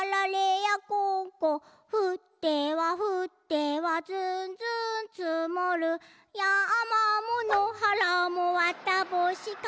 「ふってはふってはずんずんつもる」「やまものはらもわたぼうしかぶり」